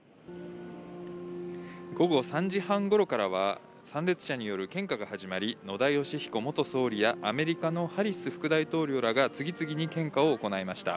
午後３時半ごろからは、参列者による献花が始まり、野田佳彦元総理やアメリカのハリス副大統領らが次々に献花を行いました。